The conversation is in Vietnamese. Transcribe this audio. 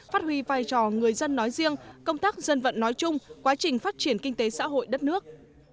phát huy vai trò người dân nói riêng công tác dân vận nói chung quá trình phát triển kinh tế xã hội đất nước